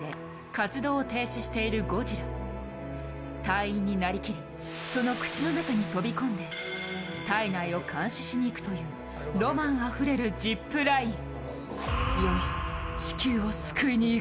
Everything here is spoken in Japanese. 隊員になりきり、その口の中に飛び込んで体内を監視しにいくというロマンあふれるジップライン。